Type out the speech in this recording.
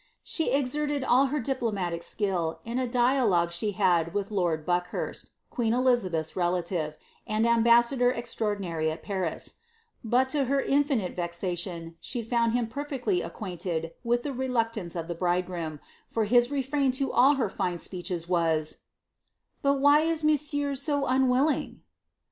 She exerted all her diplomatic skill in a dialogue she had with lord Buckhurst, queen Elizabeth'^s relative, and ambassador extraordinary at Paris j but, to her infinite vexation, she found him perfectly acquainted with the reluctance of the bridegroom, for his refrain to all her fine ipeeches was— ^ But why is monsieur so unwilling